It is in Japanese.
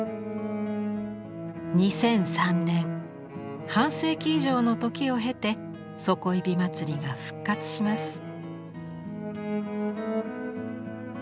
２００３年半世紀以上の時を経て底井まつりが復活します。